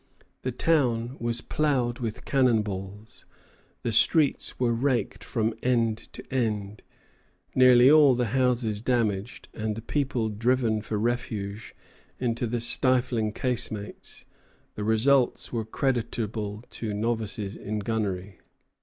_] The town was ploughed with cannon balls, the streets were raked from end to end, nearly all the houses damaged, and the people driven for refuge into the stifling casemates. The results were creditable to novices in gunnery.